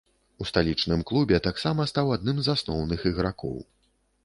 У сталічным клубе таксама стаў адным з асноўных ігракоў.